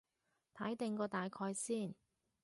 睇定個大概先